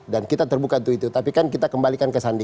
dan kita terbuka untuk itu tapi kan kita kembalikan ke sandi